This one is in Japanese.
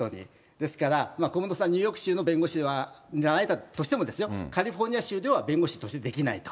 ですから、小室さん、ニューヨーク州の弁護士になられたとしても、カリフォルニア州では弁護士としてできないと。